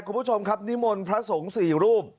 คุณผู้ชมครับนิมนต์พระสงฆ์๔รูป